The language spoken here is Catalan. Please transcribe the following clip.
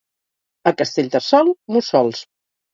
A Castellterçol, mussols.